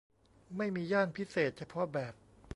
ไม่มีย่านพิเศษเฉพาะแบบ